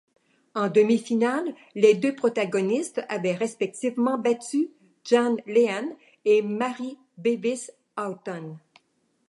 En demi-finale, les deux protagonistes avaient respectivement battu Jan Lehane et Mary Bevis Hawton.